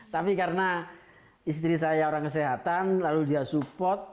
tapi karena istri saya orang kesehatan lalu dia support